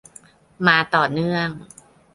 มาต่อเนื่อง